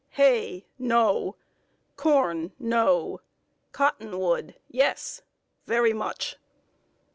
Hay no! Corn no! Cottonwood yes! very much!'